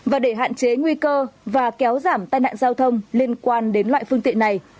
và để hạn chế nguy cơ và kéo giảm tai nạn giao thông liên quan đến loại phương tiện này